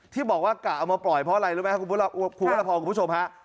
ที่บอกว่ากะเอามาปล่อยเพราะอะไรรู้ไหมครับคุณวรพรคุณผู้ชมฮะ